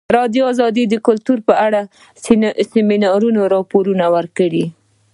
ازادي راډیو د کلتور په اړه د سیمینارونو راپورونه ورکړي.